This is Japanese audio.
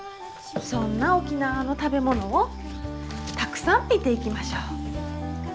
そんな沖縄の食べ物をたくさん見ていきましょう。